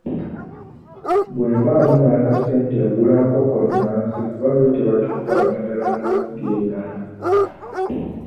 Bwe mbaamu n'akasente ngula nkoko nnansi kuba yo tebagikuba ddagala nga ziri endala.